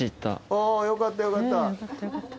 あぁよかったよかった。